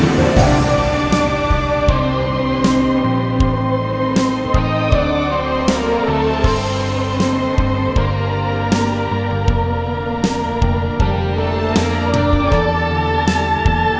memang sekarang kita sedang dalam proses perceraian